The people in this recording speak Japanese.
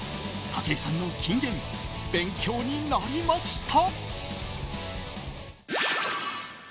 武井さんの金言勉強になりました。